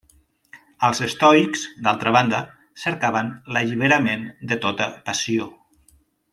Els estoics, d'altra banda, cercaven l'alliberament de tota passió.